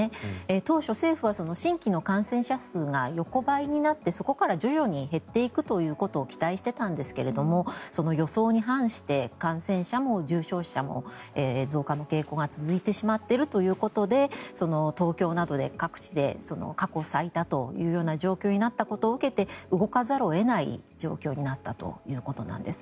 当初、政府は新規の感染者数が横ばいになってそこから徐々に減っていくということを期待していたんですが予想に反して感染者も重症者も増加の傾向が続いてしまっているということで東京などで各地で過去最多というような状況を受けて動かざるを得ない状況になったということなんです。